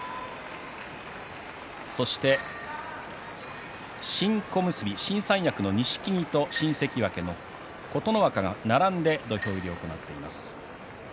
そして、新小結新三役の錦木と新関脇の琴ノ若が並んで土俵入りを行っています。